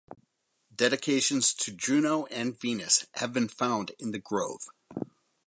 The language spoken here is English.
Dedications to Juno and Venus have been found in the grove.